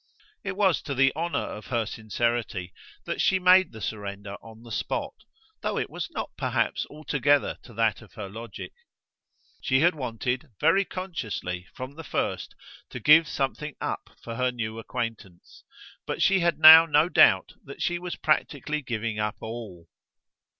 It was to the honour of her sincerity that she made the surrender on the spot, though it was not perhaps altogether to that of her logic. She had wanted, very consciously, from the first, to give something up for her new acquaintance, but she had now no doubt that she was practically giving up all.